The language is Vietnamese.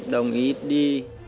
đồng ý đi